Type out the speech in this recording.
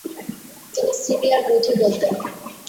তিনি “সিরিয়ার বধু” বলতেন।